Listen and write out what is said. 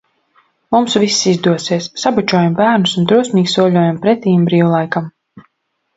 Mums viss izdosies! Sabučojam bērnus un drosmīgi soļojam pretīm brīvlaikam.